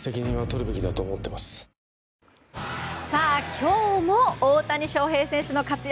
今日も大谷翔平選手の活躍